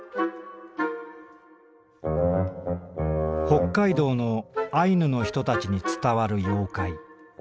「北海道のアイヌの人たちに伝わる妖怪。